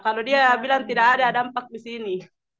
kalau dia bilang tidak ada dampak di sini